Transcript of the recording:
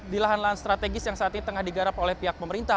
di lahan lahan strategis yang saat ini tengah digarap oleh pihak pemerintah